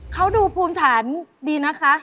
เขาดูภูมิฐานดีนะคะ